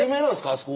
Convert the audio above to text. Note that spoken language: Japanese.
あそこ。